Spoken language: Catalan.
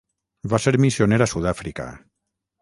Va ser missioner a Sud-àfrica.